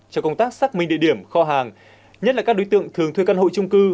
cho công tác xác minh địa điểm kho hàng nhất là các đối tượng thường thuê căn hộ trung cư